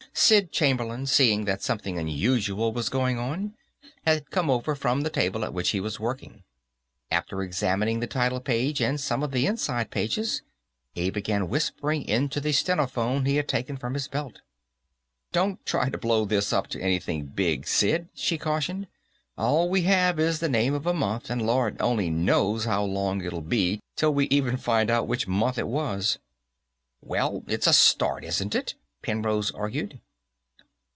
Sid Chamberlain, seeing that something unusual was going on, had come over from the table at which he was working. After examining the title page and some of the inside pages, he began whispering into the stenophone he had taken from his belt. "Don't try to blow this up to anything big, Sid," she cautioned. "All we have is the name of a month, and Lord only knows how long it'll be till we even find out which month it was." "Well, it's a start, isn't it?" Penrose argued.